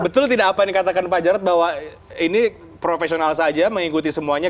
betul tidak apa yang dikatakan pak jarod bahwa ini profesional saja mengikuti semuanya